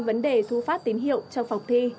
vấn đề thu phát tín hiệu trong phòng thi